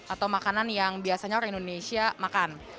atau makanan yang biasanya orang indonesia makan